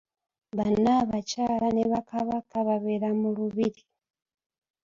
Bannaabakyala ne bakabaka babeera mu lubiri.